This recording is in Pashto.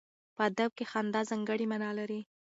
په ادب کې خندا ځانګړی معنا لري.